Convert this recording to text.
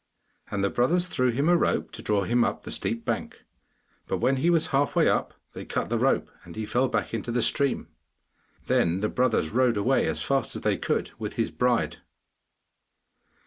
And the brothers threw him a rope to draw him up the steep bank; but when he was half way up they cut the rope, and he fell back into the stream. Then the brothers rode away as fast as they could, with his bride.